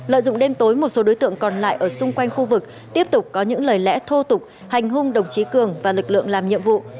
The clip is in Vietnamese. lợi dụng đêm tối một số đối tượng còn lại ở xung quanh khu vực tiếp tục có những lời lẽ thô tục hành hung đồng chí cường và lực lượng làm nhiệm vụ